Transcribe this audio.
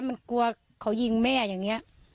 มันกลัวเขายิงแม่อย่างนี้